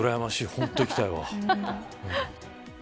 本当行きたいわ。